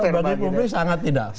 kalau bagi publik sangat tidak fair